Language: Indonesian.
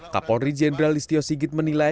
kapolri jenderal listio sigit menilai